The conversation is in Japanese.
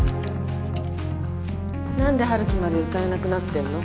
何で陽樹まで歌えなくなってんの？